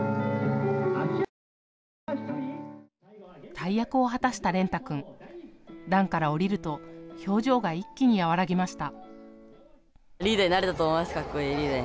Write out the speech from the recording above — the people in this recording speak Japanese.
大役を果たした蓮汰君、壇から降りると表情が一気に和らぎました。